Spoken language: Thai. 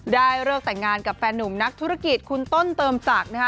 เลิกแต่งงานกับแฟนหนุ่มนักธุรกิจคุณต้นเติมศักดิ์นะคะ